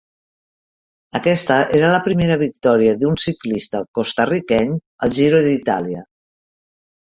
Aquesta era la primera victòria d'un ciclista costa-riqueny al Giro d'Itàlia.